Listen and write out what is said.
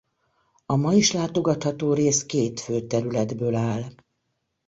A ma is látogatható rész két fő területből áll.